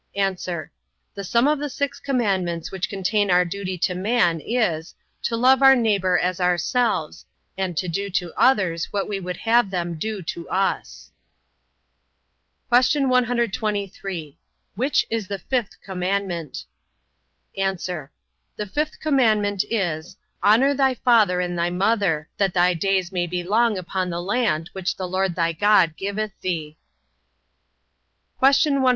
A. The sum of the six commandments which contain our duty to man, is, to love our neighbor as ourselves, and to do to others what we would have them do to us. Q. 123. Which is the fifth commandment? A. The fifth commandment is, Honour thy father and thy mother: that thy days may be long upon the land which the Lord thy God giveth thee. Q. 124.